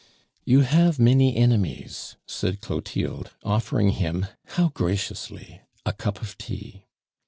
"You have many enemies," said Clotilde, offering him how graciously! a cup of tea.